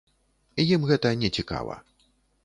Ім гэта не цікава.